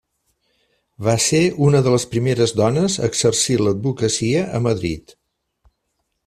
Va ser una de les primeres dones a exercir l'advocacia a Madrid.